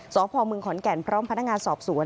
สพมขอนแก่นพร้อมพนักงานสอบสวน